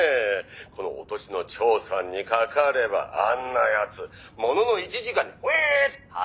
「この落としの長さんにかかればあんな奴ものの１時間で」